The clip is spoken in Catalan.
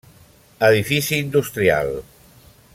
Edifici industrial.